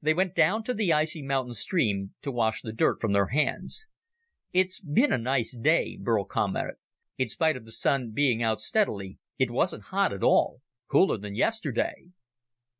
They went down to the icy mountain stream to wash the dirt from their hands. "It's been a nice day," Burl commented. "In spite of the Sun being out steadily, it wasn't hot at all. Cooler than yesterday."